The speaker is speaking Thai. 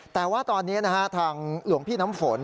แต่ว่าตอนนี้ทางหลวงพี่น้ำฝน